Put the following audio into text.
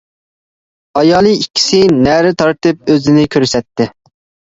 ئايالى ئىككىسى نەرە تارتىپ ئۆزىنى كۆرسەتتى.